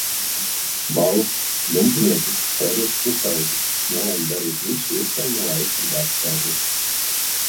Mala, dumpiniecisks Terras pusaudzis, nolemj darīt visu iespējamo, lai aizsargātu Terru.